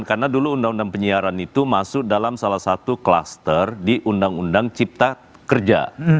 karena dulu undang undang penyiaran itu masuk dalam salah satu kluster di undang undang cipta kerja